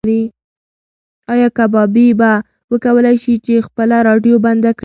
ایا کبابي به وکولی شي چې خپله راډیو بنده کړي؟